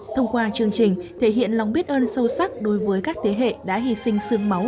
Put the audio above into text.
thông qua chương trình thể hiện lòng biết ơn sâu sắc đối với các thế hệ đã hy sinh sương máu